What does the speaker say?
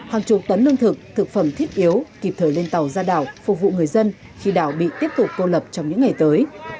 hàng chục tấn lương thực thực phẩm thiết yếu kịp thời lên tàu ra đảo phục vụ người dân khi đảo bị tiếp tục cô lập trong những ngày tới